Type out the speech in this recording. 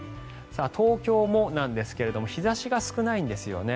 東京もなんですが日差しが少ないんですよね。